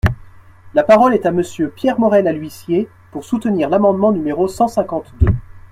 La parole est à Monsieur Pierre Morel-A-L’Huissier, pour soutenir l’amendement numéro cent cinquante-deux.